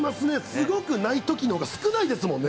すごくないときのほうが少ないですもんね。